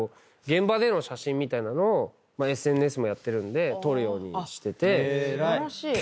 みたいなのをＳＮＳもやってるんで撮るようにしてて。